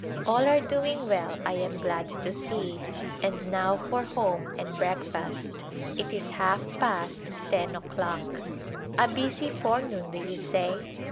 All are doing well I am glad to see, and now for home and breakfast. It is half past ten o'clock. A busy forenoon, do you say